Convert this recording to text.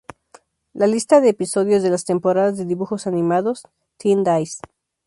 La lista de episodios de las temporadas de dibujos animados Teen Days.